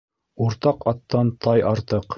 Уртаҡ аттан тай артыҡ.